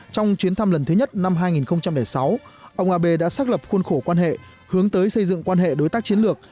trong chuyến thăm lần thứ nhất năm hai nghìn sáu ông abe đã xác lập khuôn khổ quan hệ hướng tới xây dựng quan hệ đối tác chiến lược